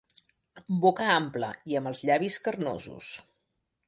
Boca ampla i amb els llavis carnosos.